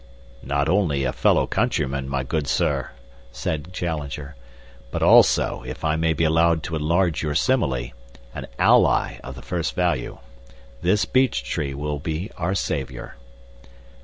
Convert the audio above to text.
"Not only a fellow countryman, my good sir," said Challenger, "but also, if I may be allowed to enlarge your simile, an ally of the first value. This beech tree will be our saviour."